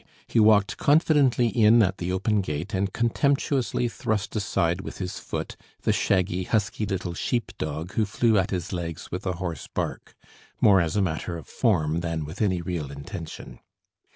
He walked confidently in at the open gate and contemptuously thrust aside with his foot the shaggy, husky little sheep dog who flew at his legs with a hoarse bark, more as a matter of form than with any real intention.